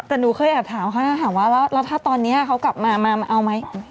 แต่หนูเคยแอบถามเขานะถามว่าแล้วถ้าตอนนี้เขากลับมามาเอาไหม